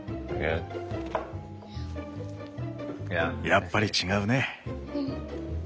やっぱり違うね。